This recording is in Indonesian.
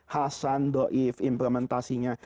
hasan do'if implementasinya